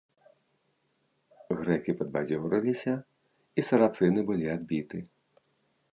Грэкі падбадзёрыліся, і сарацыны былі адбіты.